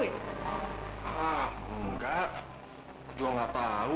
enggak aku juga nggak tahu